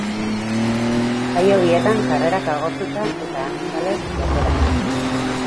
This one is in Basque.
Saio bietan sarrerak agortuta eta zalez leporaino.